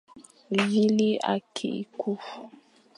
Vîle akî ku.